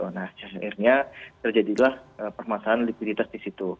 nah akhirnya terjadilah permasalahan likuiditas disitu